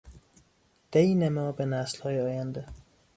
دین ما به نسلهای آینده